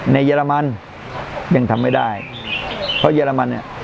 ในเยรมันยังทำไม่ได้เพราะศิษย์เยอรมัน